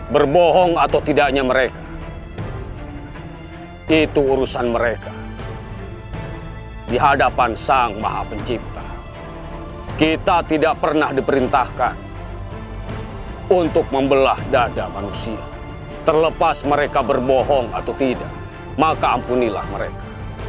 berbohong atau tidaknya mereka itu urusan mereka dihadapan sang maha pencipta kita tidak pernah diperintahkan untuk membelah dada manusia terlepas mereka berbohong atau tidak maka ampunilah mereka